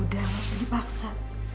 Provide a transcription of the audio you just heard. udah gak usah dipaksa